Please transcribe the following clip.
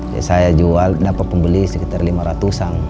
ya saya jual dapat pembeli sekitar lima ratus an